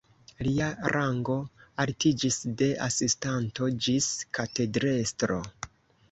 Lia rango altiĝis de asistanto ĝis katedrestro.